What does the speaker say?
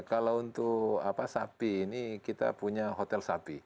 kalau untuk sapi ini kita punya hotel sapi